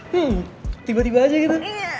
hmm tiba tiba aja gitu